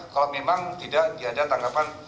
kalau memang tidak ada tanggapan